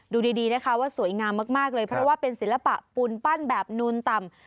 ดูดีนะคะว่าสวยงามมากเลยเพราะว่าเป็นศิลปะปูนปั้นแบบนูนต่ำ